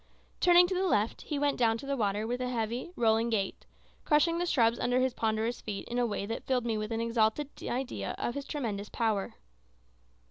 Turning to the left, he went down to the water with a heavy, rolling gait, crushing the shrubs under his ponderous feet in a way that filled me with an exalted idea of his tremendous power.